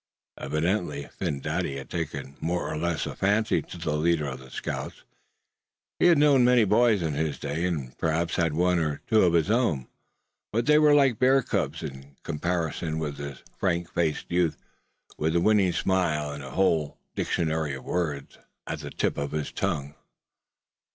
Evidently Phin Dady had taken more or less of a fancy to the leader of the scouts. He had known many boys in his day, and perhaps had one or two of his own; but they were like bear cubs in comparison with this frank faced youth, with the winning smile, and a whole dictionary of words at the tip of his tongue.